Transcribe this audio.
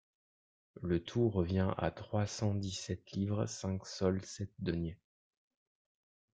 Le tout revient à trois cent dix-sept livres cinq sols sept deniers.